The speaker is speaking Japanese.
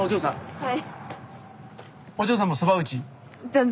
はい。